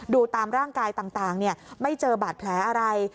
ดูตามร่างกายต่างไม่เจอบาดแผลอะไร